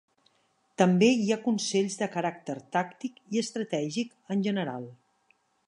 També hi ha consells de caràcter tàctic i estratègic, en general.